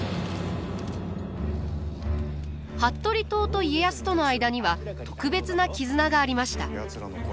服部党と家康との間には特別な絆がありました。